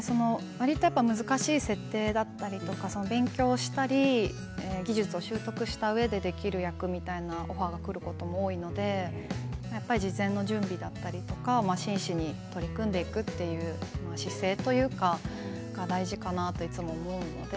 わりと難しい設定だったりとか勉強したり技術を習得したうえでできる役のオファーがくることも多いのでやっぱり事前の準備であったり真摯に取り組んでいくという姿勢というか大事かなと思うので。